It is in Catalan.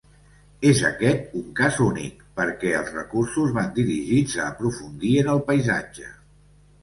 És aquest un cas únic perquè els recursos van dirigits a aprofundir en el paisatge.